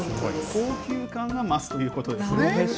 高級感が増すということですね。